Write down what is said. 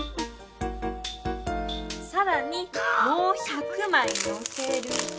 さらにもう１００枚のせると。